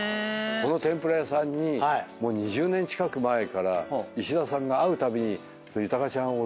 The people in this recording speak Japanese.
この天ぷら屋さんにもう２０年近く前から石田さんが会うたびに。